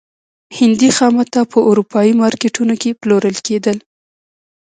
هندي خامتا په اروپايي مارکېټونو کې پلورل کېدل.